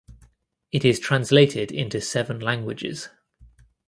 It is translated into seven languages.